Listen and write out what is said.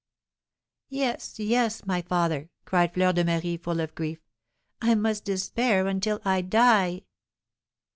"Yes, yes, my father," cried Fleur de Marie, full of grief, "I must despair until I die!"